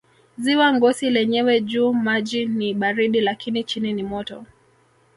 Ziwa Ngosi lenyewe juu maji ni baridi lakini chini ni moto